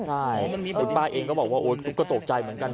ใช่คุณป้าเองก็บอกว่าโอ๊ยกก็ตกใจเหมือนกัน